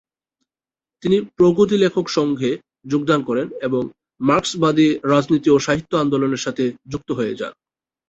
তিনি "প্রগতি লেখক সংঘে" যোগদান করেন এবং মার্ক্সবাদী রাজনীতি ও সাহিত্য আন্দোলনের সাথে যুক্ত হয়ে যান।